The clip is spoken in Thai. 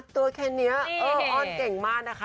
ตัวแค่เนี้ยอ้อนเก่งมากนะคะ